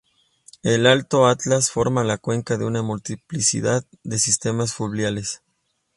El Alto Atlas forma la cuenca de una multiplicidad de sistemas fluviales.